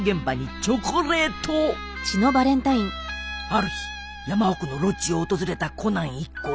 ある日山奥のロッジを訪れたコナン一行。